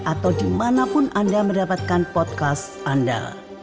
atau dimanapun anda mendapatkan podcast anda